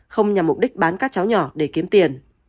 không nhằm mục đích bán các cháu nhỏ để kiếm tiền